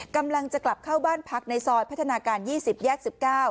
กำลังจะกลับเข้าบ้านพักในซอยพัฒนาการ๒๐แยก๑๙